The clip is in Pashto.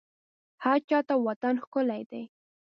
هرچا ته وطن ښکلی دی